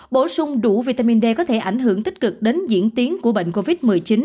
bổ sung đủ vitamin d có thể ảnh hưởng tích cực đến diễn tiến của bệnh covid một mươi chín